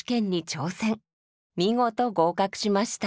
見事合格しました。